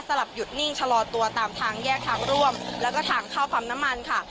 หลับหยุดนิ่งชะลอตัวตามทางแยกทางร่วมแล้วก็ทางเข้าปั๊มน้ำมันค่ะ